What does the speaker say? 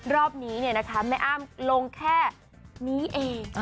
รอบนี้เนี่ยนะคะแม่อ้ามลงแค่นี้เอง